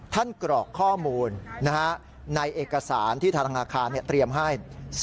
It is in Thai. กรอกข้อมูลในเอกสารที่ทางธนาคารเตรียมให้